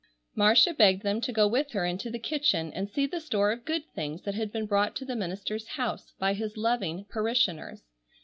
Marcia begged them to go with her into the kitchen and see the store of good things that had been brought to the minister's house by his loving parishioners.